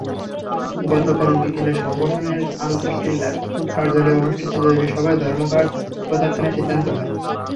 গতকাল বিকেলে সংগঠনের আন্দরকিল্লার কার্যালয়ে অনুষ্ঠিত জরুরি সভায় ধর্মঘট প্রত্যাখ্যানের সিদ্ধান্ত হয়।